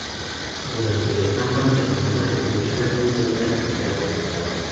Durante la etapa de la Segunda República tuvo una actividad destacada.